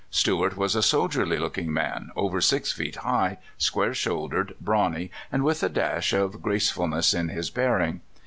Stuart was a soldierly looking man, over six feet high, square shouldered, brawny, and with a dash of grace fulness in his bearing.